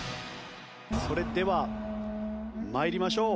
それでは参りましょう。